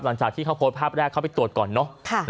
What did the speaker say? หลังจากที่เขาโพสต์ภาพแรกเขาไปตรวจก่อนเนอะ